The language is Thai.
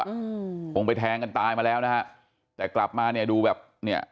อืมคงไปแทงกันตายมาแล้วนะฮะแต่กลับมาเนี้ยดูแบบเนี้ย